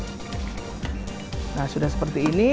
nah sudah seperti ini nah sudah seperti ini